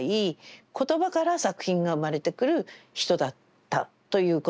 言葉から作品が生まれてくる人だったということは言えると思います。